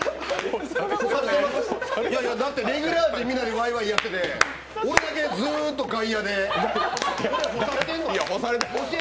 だって、レギュラー陣みんなでワイワイやってて、俺だけずーっと外野で、干されてるの？